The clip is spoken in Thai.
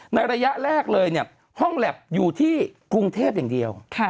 ระยะแรกเลยเนี่ยห้องแล็บอยู่ที่กรุงเทพอย่างเดียว